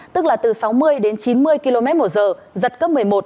tức là từ sáu mươi đến chín mươi km một giờ giật cấp một mươi một